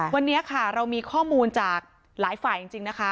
วันนี้ค่ะเรามีข้อมูลจากหลายฝ่ายจริงนะคะ